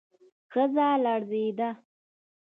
ښځه لړزېده.